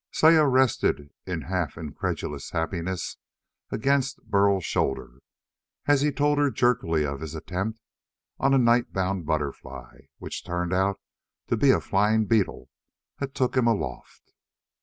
Saya rested in half incredulous happiness against Burl's shoulder as he told her jerkily of his attempt on a night bound butterfly, which turned out to be a flying beetle that took him aloft.